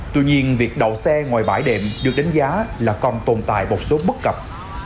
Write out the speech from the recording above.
tuy nhiên việc đậu xe ngoài bãi đệm được đánh giá là còn tồn tại một số bất cập